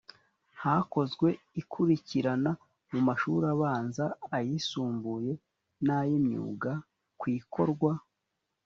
hakozwe ikurikirana mu mashuri abanza ayisumbuye n ay imyuga ku ikorwa